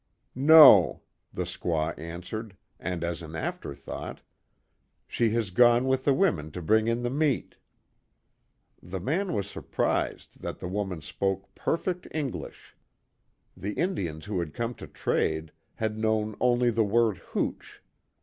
"No," the squaw answered, and as an after thought, "She has gone with the women to bring in the meat." The man was surprised that the woman spoke perfect English. The Indians who had come to trade, had known only the word "hooch."